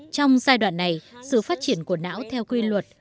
trong giai đoạn này sự phát triển của não theo quy luật